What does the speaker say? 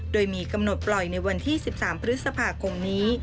โดยมีกำหนดปล่อยในวันที่๑๓พฤษภาคมนี้